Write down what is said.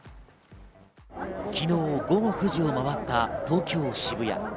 昨日午後９時を回った、東京・渋谷。